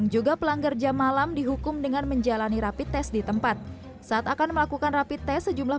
jam malam dihukum dengan menjalani rapi tes di tempat saat akan melakukan rapi tes sejumlah